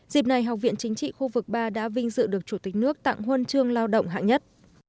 dịp này học viện chính trị khu vực ba đã vinh dự được chủ tịch nước tặng huân chương lao động hạng nhất